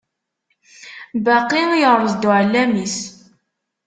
Baqi yerreẓ-d uɛellam-is.